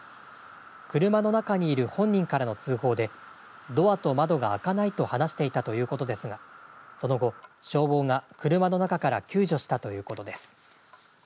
車の中にある本人からの通報で、ドアと窓が開かないと話していたということですが、その後、消防が車の中から救助したということです。